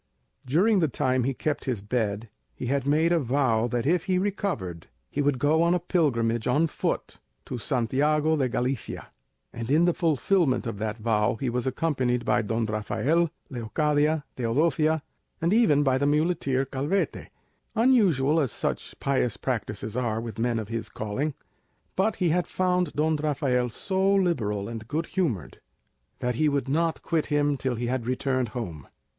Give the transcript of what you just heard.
During the time he kept his bed he had made a vow that if he recovered he would go on a pilgrimage on foot to Santiago de Galicia, and in the fulfilment of that vow he was accompanied by Don Rafael, Leocadia, Teodosia, and even by the muleteer Calvete, unusual as such pious practices are with men of his calling; but he had found Don Rafael so liberal and good humoured that he would not quit him till he had returned home.